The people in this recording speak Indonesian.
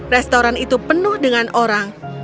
restoran itu penuh dengan orang